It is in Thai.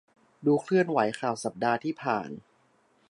ดูเคลื่อนไหวข่าวสัปดาห์ที่ผ่าน